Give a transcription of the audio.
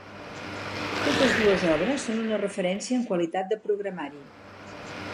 Totes dues obres són una referència en qualitat de programari.